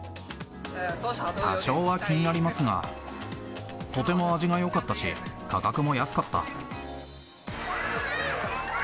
多少は気になりますが、とても味がよかったし、価格も安かった。